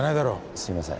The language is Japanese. すみません。